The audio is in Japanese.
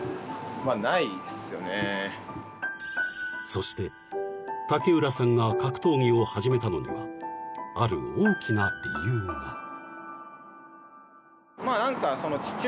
［そして竹浦さんが格闘技を始めたのにはある大きな理由が］みたいなのを出したかった。